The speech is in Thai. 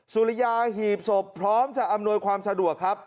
สุริยาหีบศพพร้อมจะอำนวยความสะดวกครับ